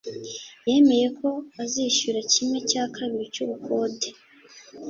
yemeye ko azishyura kimwe cya kabiri cy'ubukode